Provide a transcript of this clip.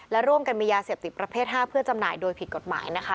และร่วมกันมียาเสพติดประเภท๕เพื่อจำหน่ายโดยผิดกฎหมายนะคะ